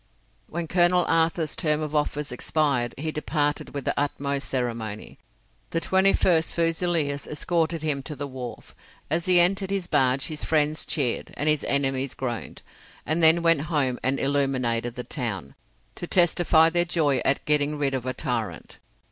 When Colonel Arthur's term of office expired he departed with the utmost ceremony. The 21st Fusiliers escorted him to the wharf. As he entered his barge his friends cheered, and his enemies groaned, and then went home and illuminated the town, to testify their joy at getting rid of a tyrant.